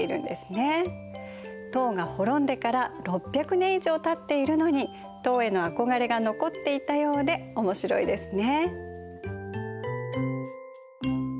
唐が滅んでから６００年以上たっているのに唐への憧れが残っていたようで面白いですね。